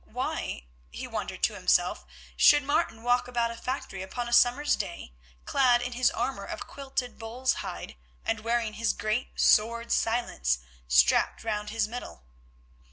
Why, he wondered to himself, should Martin walk about a factory upon a summer's day clad in his armour of quilted bull's hide, and wearing his great sword Silence strapped round his middle?